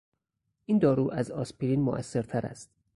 این دارو از آسپرین موثرتر است.